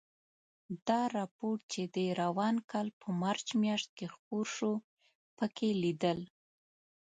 دا رپوټ چې د روان کال په مارچ میاشت کې خپور شو، پکې لیدل